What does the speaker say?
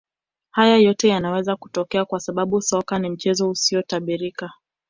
Haya yote yanaweza kutokea kwa sababu soka ni mchezo usiotabirika